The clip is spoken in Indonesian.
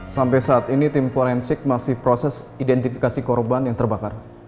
sampai saat ini tim forensik masih proses identifikasi korban yang terbakar